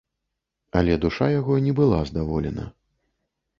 Але душа яго не была здаволена.